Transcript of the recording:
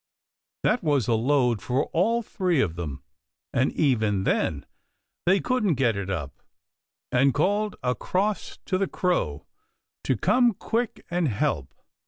That was a load for all three of them, and even then they couldn't get it up, and called across to the Crow to come quick and help.